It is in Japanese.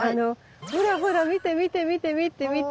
ほらほら見て見て見て見て見て。